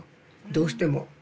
どうしても。